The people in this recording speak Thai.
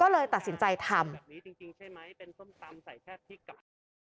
ก็เลยตัดสินใจทำแบบนี้จริงใช่ไหมเป็นส้มตำใส่แค่พริกไก่